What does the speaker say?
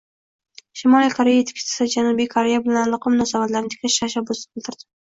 Shimoliy Koreya yetakchisi Janubiy Koreya bilan aloqa munosabatlarini tiklash tashabbusini bildirdi